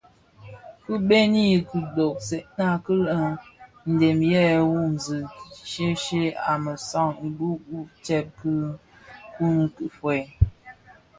Ki bëni kidogsèna ki lè dèm yè wumzi shyeshye a mesaň ibu u tsèb ki nkun ki fuèi.